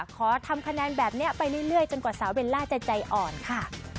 ขอทำคะแนนแบบนี้ไปเรื่อยจนกว่าสาวเบลล่าจะใจอ่อนค่ะ